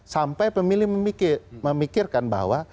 sampai pemilih memikirkan bahwa